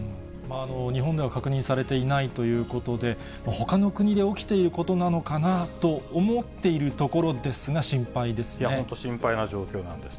日本では確認されていないということで、ほかの国で起きていることなのかなと思っているところですが、いや、本当、心配な状況なんです。